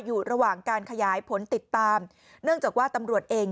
อยู่ระหว่างการขยายผลติดตามเนื่องจากว่าตำรวจเอง